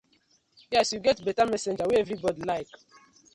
Yes yu get betta messenger wey everybodi like.